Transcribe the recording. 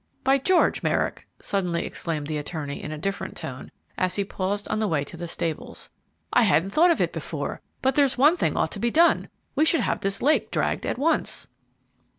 By George, Merrick!" suddenly exclaimed the attorney in a different tone, as he paused on the way to the stables. "I hadn't thought of it before, but there's one thing ought to be done; we should have this lake dragged at once."